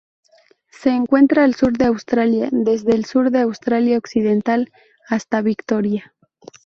Se encuentra al sur de Australia: desde el sur de Australia Occidental hasta Victoria.